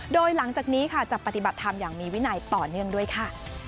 โดยหลังจากนี้ค่ะจะปฏิบัติธรรมอย่างมีวินัยต่อเนื่องด้วยค่ะ